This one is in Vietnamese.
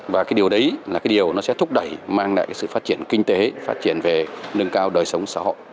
và điều đấy sẽ thúc đẩy mang lại sự phát triển kinh tế phát triển về nâng cao đời sống xã hội